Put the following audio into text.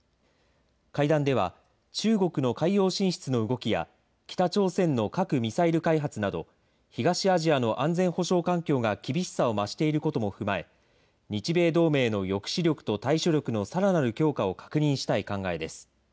会談では、中国の海洋進出の動きや、北朝鮮の核・ミサイル開発など東アジアの安全保障環境が厳しさを増していることも踏まえ、日米同盟の抑止力と対処力のさらなる強化を確認したい考えです。